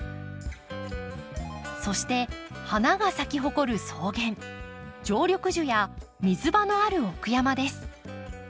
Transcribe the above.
そして花が咲き誇る草原常緑樹や水場のある奥山です。